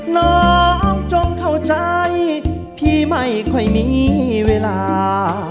น้องจงเข้าใจพี่ไม่ค่อยมีเวลา